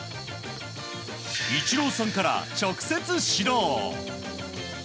イチローさんから直接指導。